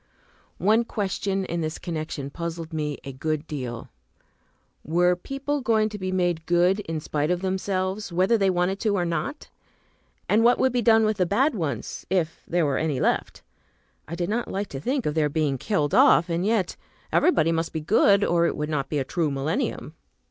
One question in this connection puzzled me a good deal. Were people going to be made good in spite of themselves, whether they wanted to or not? And what would be done with the bad ones, if there were any left? I did not like to think of their being killed off, and yet everybody must be good, or it would not be a true millennium.